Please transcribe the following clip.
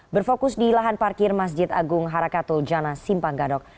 berfokus di lahan parkir masjid agung harakatul jana simpang gadok